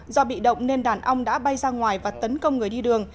do bị động nên đàn ong đã bay ra ngoài và tấn công người đi đường